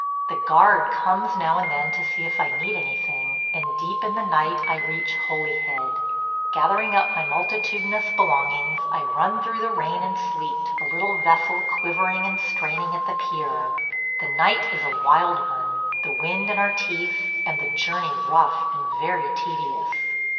The guard comes now and then to see if I need anything, and deep in the night I reach Holyhead. Gathering up my multitudinous belongings, I run through the rain and sleet to the little vessel quivering and straining at the pier. The night is a wild one, the wind in our teeth, and the journey rough and very tedious.